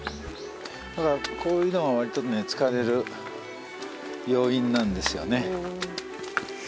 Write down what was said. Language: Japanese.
だからこういうのは割とね疲れる要因なんですよね。